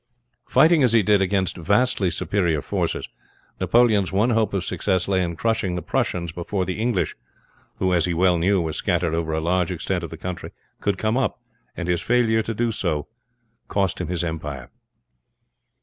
Fighting as he did against vastly superior forces, Napoleon's one hope of success lay in crushing the Prussians before the English who, as he well knew, were scattered over a large extent of country could come up, and his failure to do this cost him his empire.